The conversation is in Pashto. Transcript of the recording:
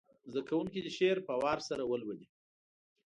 زده کوونکي دې شعر په وار سره ولولي.